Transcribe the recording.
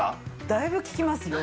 だいぶ効きますよ。